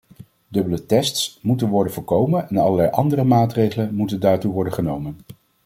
Dubbele tests moeten worden voorkomen en allerlei andere maatregelen moeten daartoe worden genomen.